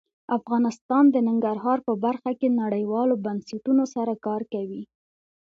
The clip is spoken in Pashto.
افغانستان د ننګرهار په برخه کې نړیوالو بنسټونو سره کار کوي.